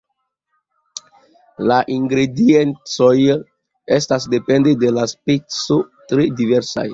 La ingrediencoj estas, depende de la speco, tre diversaj.